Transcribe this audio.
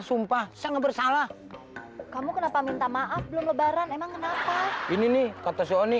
sumpah sangat bersalah kamu kenapa minta maaf belum lebaran emang kenapa ini nih kata sony